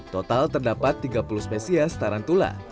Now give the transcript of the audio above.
total terdapat tiga puluh spesies tarantula